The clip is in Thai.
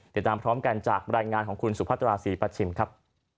ติดตามพร้อมกันจากรายงานของคุณสุพัตราศรีประชิมครับ